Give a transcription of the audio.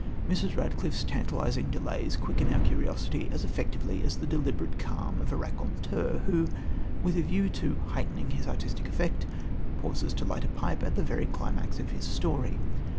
Mrs. Radcliffe's tantalising delays quicken our curiosity as effectively as the deliberate calm of a raconteur, who, with a view to heightening his artistic effect, pauses to light a pipe at the very climax of his story.